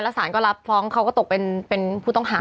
สารก็รับฟ้องเขาก็ตกเป็นผู้ต้องหา